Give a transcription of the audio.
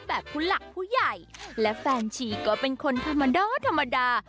ผู้หลักผู้ใหญ่และแฟนชีก็เป็นคนธรรมดาธรรมดา